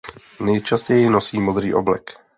Nejčastěji nosí modrý oblek.